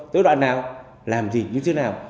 tối đoạn nào làm gì như thế nào